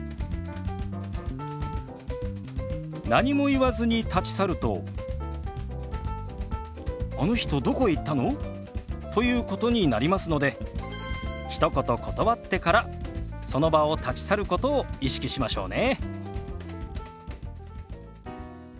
何も言わずに立ち去ると「あの人どこへ行ったの？」ということになりますのでひと言断ってからその場を立ち去ることを意識しましょうね。